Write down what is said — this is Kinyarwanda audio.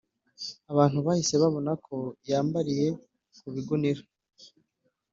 Abantu bahise babona ko yambariye ku bigunira